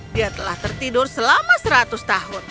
dia telah tertidur selama seratus tahun